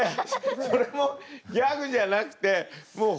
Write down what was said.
それもギャグじゃなくてもう本気で。